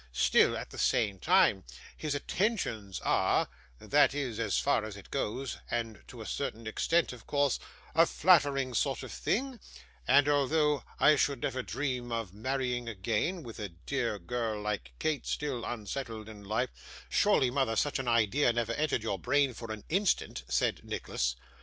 Still at the same time, his attentions are that is, as far as it goes, and to a certain extent of course a flattering sort of thing; and although I should never dream of marrying again with a dear girl like Kate still unsettled in life ' 'Surely, mother, such an idea never entered your brain for an instant?' said Nicholas.